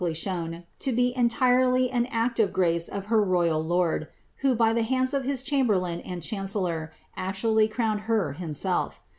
259 dely shown to be entirely an act of grace of her royal lord, who, by the hands of his chamberlain and chancellor, actually crowned her himself.